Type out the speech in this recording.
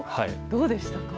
どうでしたか？